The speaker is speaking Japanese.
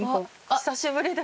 久しぶりですね。